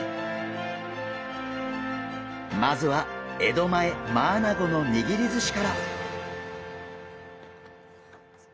まずは江戸前マアナゴの握りずしから！